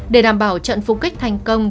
để đảm bảo trận phục kích thành công